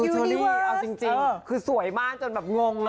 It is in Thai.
เชอรี่เอาจริงคือสวยมากจนแบบงง